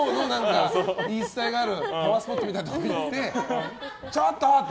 言い伝えがあるパワースポットみたいなところ行って、ちょっと！って。